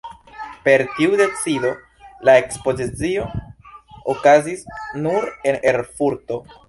Per tiu decido la ekspozicio okazis nur en Erfurto.